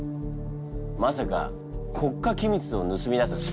まさか国家機密を盗み出すスパイか！？